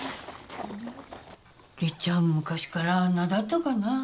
りっちゃん昔からあんなだったかな？